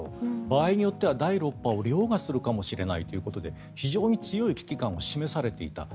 場合によっては第６波を凌駕するかもしれないということで非常に強い危機感を示されていたと。